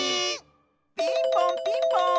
ピンポンピンポーン！